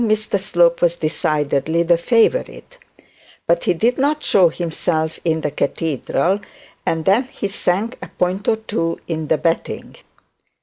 Mr Slope was decidedly the favourite; but he did not show himself in the cathedral, and then he sank a point or two in the betting.